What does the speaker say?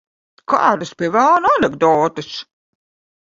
Kādas, pie velna, anekdotes?